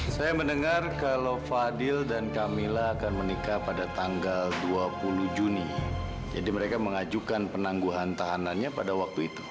sampai jumpa di video selanjutnya